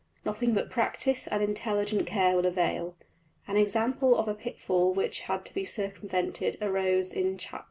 Nothing but practice and intelligent care will avail. An example of a pitfall which had to be circumvented arose in Chap.